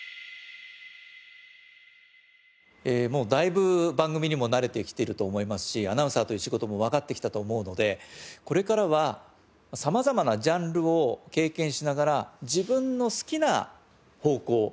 もうだいぶ番組にも慣れてきてると思いますしアナウンサーという仕事もわかってきたと思うのでこれからは様々なジャンルを経験しながら自分の好きな方向